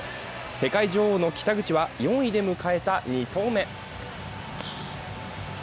世界女王の北口は４位で迎えた２投目。